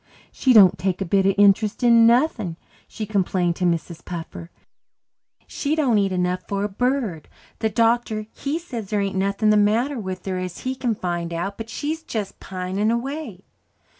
"She don't take a bit of interest in nothing," she complained to Mrs. Puffer. "She don't eat enough for a bird. The doctor, he says there ain't nothing the matter with her as he can find out, but she's just pining away."